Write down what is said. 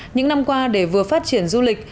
những năm qua để vừa phát triển du lịch